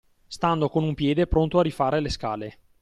Stando con un piede pronto a rifare le scale.